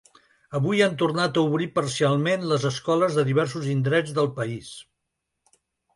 Avui han tornat a obrir parcialment les escoles de diversos indrets del país.